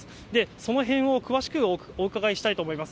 そのへんを詳しくお伺いしたいと思います。